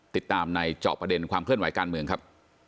ติดตามในเจาะประเด็นความเคลื่อนไหวการเมืองครับ